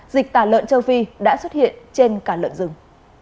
dịch tả lợn châu phi đã xuất hiện trên cả lợn rừng